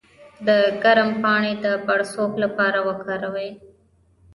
د کرم پاڼې د پړسوب لپاره وکاروئ